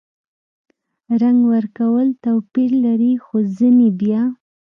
رنګ ورکول توپیر لري – خو ځینې بیا